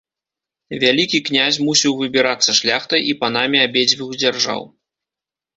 Вялікі князь мусіў выбірацца шляхтай і панамі абедзвюх дзяржаў.